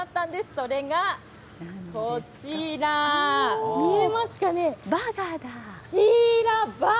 それがこちら、見えますかね。